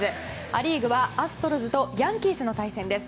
ア・リーグは、アストロズとヤンキースの対戦です。